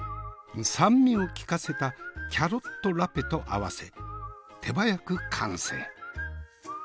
酸味を利かせたキャロットラペと合わせ手早く完成。